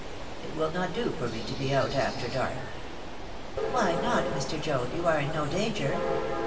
It will not do for me to be out after dark." "Why not, Mr. Joad? You are in no danger?"